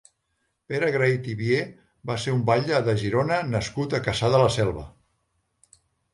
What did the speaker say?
Pere Grahit i Vié va ser un batlle de Girona nascut a Cassà de la Selva.